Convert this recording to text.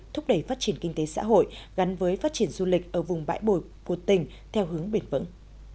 thúc đẩy phát triển kinh tế xã hội gắn với phát triển du lịch ở vùng bãi bổi của tỉnh theo hướng bền vững